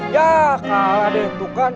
ya kalah deh tuh kan